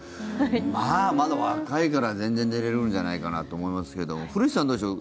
まあ、まだ若いから全然寝れるんじゃないかなと思いますけども古市さん、どうでしょう。